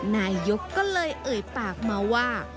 นายกก็เลยเอ่ยปากมาว่า